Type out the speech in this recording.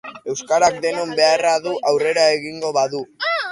Euskarak denon beharra du aurrera egingo badu.